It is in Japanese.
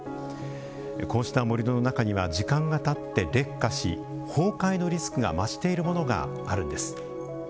こうした盛土の中には時間がたって劣化し崩壊のリスクが増しているものがあるんです。